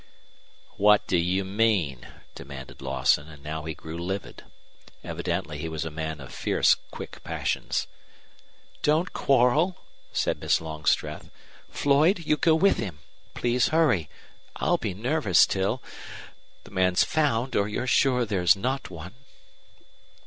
"What do you mean?" demanded Lawson, and now he grew livid. Evidently he was a man of fierce quick passions. "Don't quarrel," said Miss Longstreth. "Floyd, you go with him. Please hurry. I'll be nervous till the man's found or you're sure there's not one."